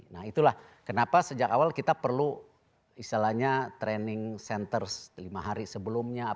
nah itulah kenapa sejak awal kita perlu istilahnya training centers lima hari sebelumnya